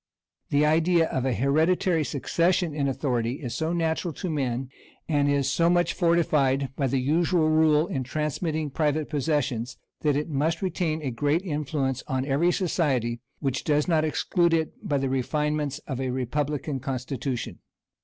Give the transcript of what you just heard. The idea of an hereditary succession in authority is so natural to men, and is so much fortified by the usual rule in transmitting private possessions, that it must retain a great influence on every society, which does not exclude it by the refinements of a republican constitution.